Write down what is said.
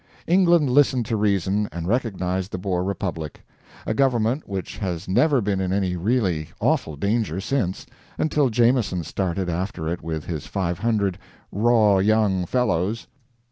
England listened to reason, and recognized the Boer Republic a government which has never been in any really awful danger since, until Jameson started after it with his 500 "raw young fellows."